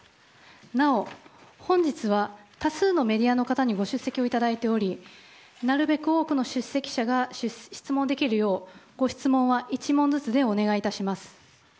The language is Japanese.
なお本日は多数のメディアの方にご出席いただいておりなるべく多くの出席者が質問できるようご質問は１問ずつでお願いします。